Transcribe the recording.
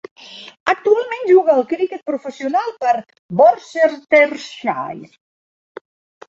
Actualment juga al criquet professional per Worcestershire.